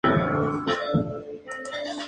Tenía, entonces, veintidós años.